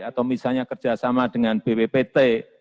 atau misalnya kerjasama dengan bppt